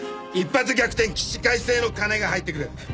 一発逆転起死回生の金が入ってくる。